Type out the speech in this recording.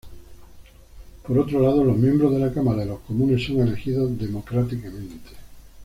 Por otro lado, los miembros de la Cámara de los Comunes son elegidos democráticamente.